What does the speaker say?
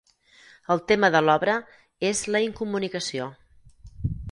El tema de l'obra és la incomunicació.